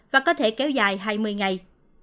và có thể kéo dài hai mươi ngày